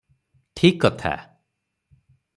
ଠିକ କଥା ।